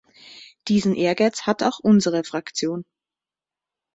Diesen Ehrgeiz hat auch unsere Fraktion.